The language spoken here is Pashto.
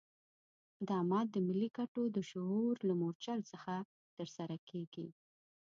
اقدامات د ملي ګټو د شعور له مورچل څخه ترسره کېږي.